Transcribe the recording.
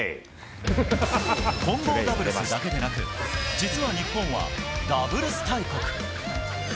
混合ダブルスだけでなく、実は日本は、ダブルス大国。